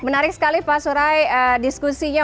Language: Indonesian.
menarik sekali pak surai diskusinya